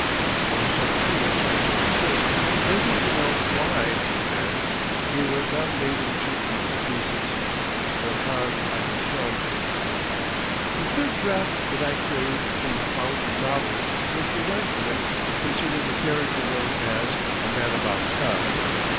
I was so foolish as to persist, begging to know why, then, they were not made in two equal pieces; whereupon I was shunned. The third draught that I craved from the fount of knowledge was enlightenment concerning the character known as A Man About Town.